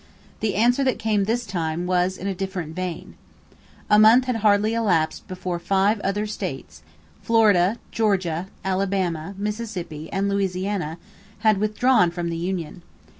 The answer that came this time was in a different vein. A month had hardly elapsed before five other states Florida, Georgia, Alabama, Mississippi, and Louisiana had withdrawn from the union.